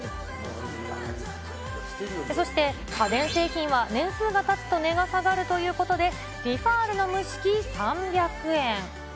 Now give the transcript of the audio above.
そして家電製品は年数がたつと値が下がるということで、ティファールの蒸し器３００円。